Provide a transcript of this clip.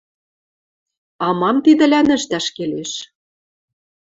— А мам тидӹлӓн ӹштӓш келеш?